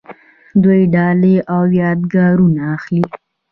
دوی ډالۍ او یادګارونه اخلي.